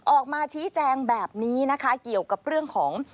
ออกมาชี้แจงแบบนี้นะคะเกี่ยวกับเรื่องของ